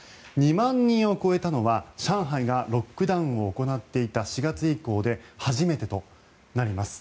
２万人を超えたのは上海がロックダウンを行っていた４月以降で初めてとなります。